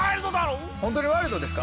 本当にワイルドですか？